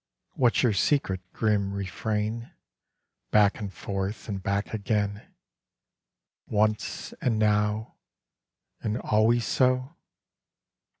What's your secret grim refrain Back and forth and back again, Once, and now, and always so?